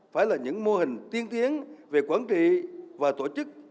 phải là những mô hình tiên tiến về quản trị và tổ chức